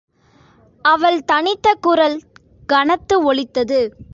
அவள் தனித்த குரல் கனத்து ஒலித்தது.